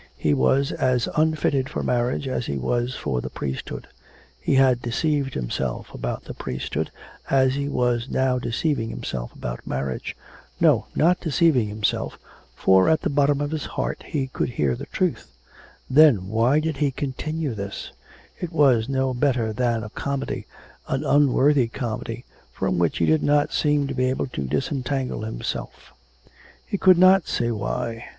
He was as unfitted for marriage as he was for the priesthood. He had deceived himself about the priesthood, as he was now deceiving himself about marriage. No, not deceiving himself, for at the bottom of his heart he could hear the truth. Then, why did he continue this, it was no better than a comedy, an unworthy comedy, from which he did not seem to be able to disentangle himself; he could not say why.